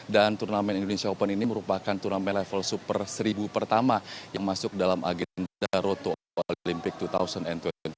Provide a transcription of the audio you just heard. dan turnamen indonesia open ini merupakan turnamen level super seribu pertama yang masuk dalam agenda roto olimpiade dua ribu dua puluh empat